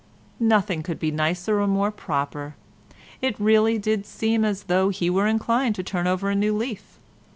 Nothing could be nicer or more proper. It really did seem as though he were inclined to turn over a new leaf.